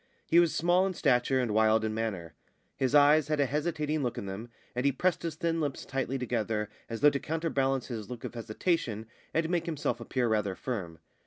He was small in stature and wild in manner. His eyes had a hesitating look in them, and he pressed his thin lips tightly together, as though to counterbalance his look of hesitation and make himself appear rather firm.